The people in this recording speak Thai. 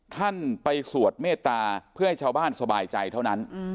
ท่านไปสวดเมตตาเพื่อให้ชาวบ้านสบายใจเท่านั้น